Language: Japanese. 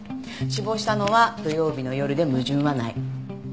死亡したのは土曜日の夜で矛盾はない。